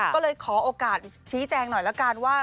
ก็เลยขอโอกาสชี้แจงหน่อยละกันว่า